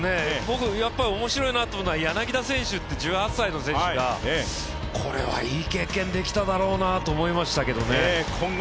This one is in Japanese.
面白いなと思うのが柳田選手って、１８歳の選手がこれはいい経験できただろうなと思いましたけどね。